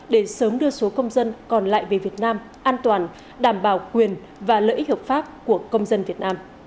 để sớm đưa số công dân còn lại về việt nam an toàn đảm bảo quyền và lợi ích hợp pháp của công dân việt nam